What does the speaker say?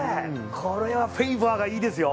これはフェイバーがいいですよ！